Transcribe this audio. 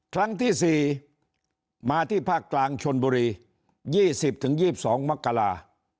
ครั้งที่๔มาที่ภาคกลางชนบุรี๒๐๒๒มกรา